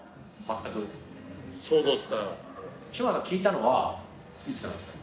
嶋津さんが聞いたのはいつなんですか？